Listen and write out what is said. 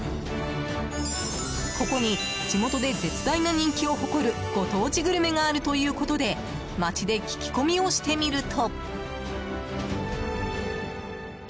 ここに、地元で絶大な人気を誇るご当地グルメがあるということで街で聞き込みをしてみると。